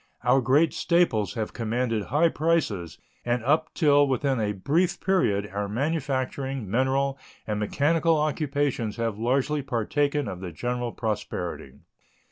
Our great staples have commanded high prices, and up till within a brief period our manufacturing, mineral, and mechanical occupations have largely partaken of the general prosperity.